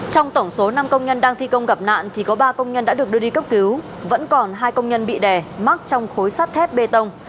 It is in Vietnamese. trong tổng số năm công nhân đang thi công gặp nạn thì có ba công nhân đã được đưa đi cấp cứu vẫn còn hai công nhân bị đè mắc trong khối sắt thép bê tông